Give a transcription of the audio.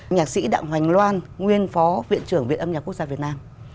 nhạc sĩ đặng hoành loan nguyên phó viện trưởng viện âm nhạc quốc gia việt nam